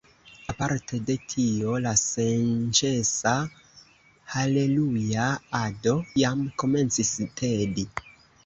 Aparte de tio la senĉesa haleluja-ado jam komencis tedi.